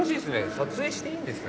撮影していいんですね。